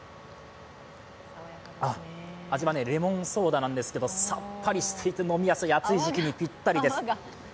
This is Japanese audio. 味はレモンソーダなんですがさっぱりしていておいしい暑い時期にぴったりです。